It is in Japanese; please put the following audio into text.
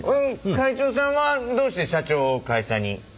会長さんはどうして社長を会社に？